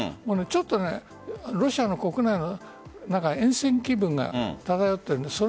ちょっと、ロシアの国内の中厭戦気分が漂っているんです。